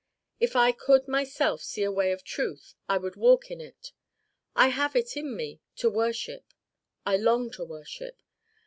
If I could myself see a way of truth I would walk in it. I have it in me to worship. I long to worship.